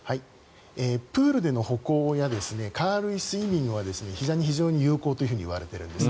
プールでの歩行や軽いスイミングは非常に有効といわれているんです。